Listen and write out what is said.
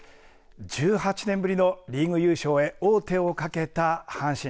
１８年ぶりのリーグ優勝へ王手をかけた阪神。